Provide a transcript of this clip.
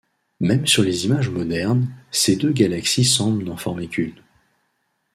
Même sur les images modernes, ces deux galaxies semblent n'en former qu'une.